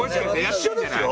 一緒ですよ？